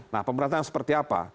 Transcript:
nah pemerataan seperti apa